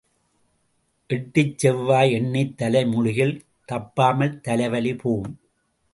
எட்டுச் செவ்வாய் எண்ணித் தலை முழுகில் தப்பாமல் தலைவலி போம்.